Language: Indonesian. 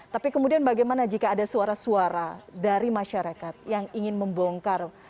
tapi kemudian bagaimana jika ada suara suara dari masyarakat yang ingin membongkar